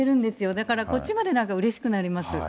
だから、こっちまでなんかうれしくなります。